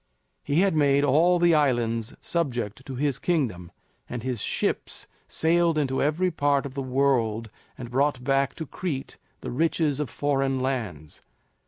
He had made all the islands subject to his kingdom, and his ships sailed into every part of the world and brought back to Crete the riches of foreign lands.